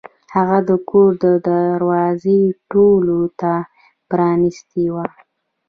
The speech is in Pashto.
هغه د کور دروازه ټولو ته پرانیستې وه.